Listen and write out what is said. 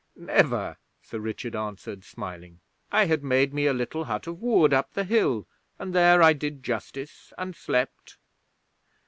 'Never,' Sir Richard answered, smiling. 'I had made me a little hut of wood up the hill, and there I did justice and slept